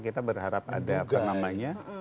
kita berharap ada apa namanya